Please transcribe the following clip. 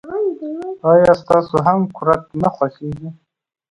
آیا تاسو هم کورت نه خوښیږي.